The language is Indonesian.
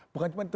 bukan cuma itu